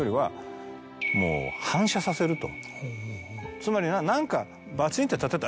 つまり何か。